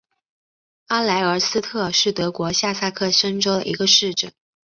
阿莱尔斯特是德国下萨克森州的一个市镇。